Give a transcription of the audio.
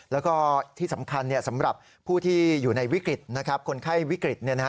แล้วก็ที่สำคัญสำหรับผู้ที่อยู่ในวิกฤตคนไข้วิกฤต